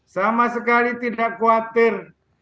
sama sekali tidak khawatir